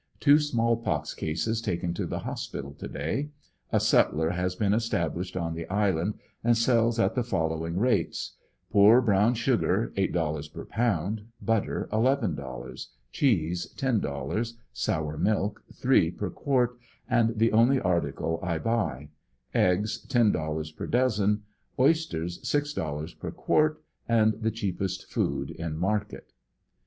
Two small pox cases taken to the hospital to day A sutler has been established on the island and sells at the following rates : poor brown sugar, $8 per pound; butter, $11; clieese, $10; sour milk $3 per quart and the only article I buy; eggs, $10 per dozen; oysters, $6 per quart and the cheapest food in market.